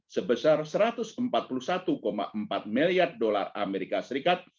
sebesar satu ratus empat puluh satu empat miliar dolar amerika serikat